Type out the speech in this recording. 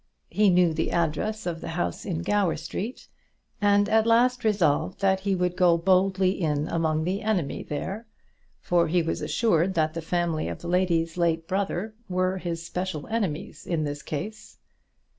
He knew the address of the house in Gower Street, and at last resolved that he would go boldly in among the enemy there; for he was assured that the family of the lady's late brother were his special enemies in this case.